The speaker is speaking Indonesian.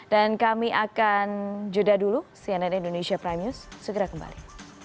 dan kami akan juda dulu cnn indonesia prime news segera kembali